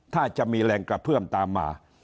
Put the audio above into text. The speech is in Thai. ถ้าจะมีแรงกระเพื่อมตามมา